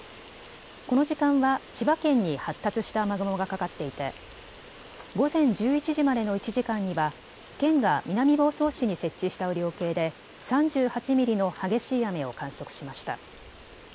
この時間は千葉県に発達した雨雲がかかっていて午前１１時までの１時間には県が南房総市に設置した雨量計で３８ミリの激しい雨を観測しました。